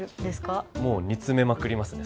もう煮詰めまくりますね